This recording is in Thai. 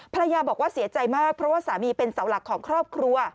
ภรรยาบอกว่าเสียใจมากเพราะว่าสามีเป็นเสาหลักของครอบครัว